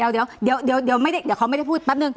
เดี๋ยวเดี๋ยวเดี๋ยวมันไม่ได้พูดปับหนึ่ง